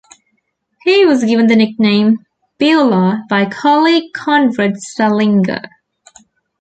He was given the nickname "Beulah" by colleague Conrad Salinger.